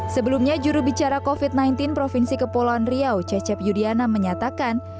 sebelumnya jurubicara covid sembilan belas provinsi kepulauan riau cecep yudiana menyatakan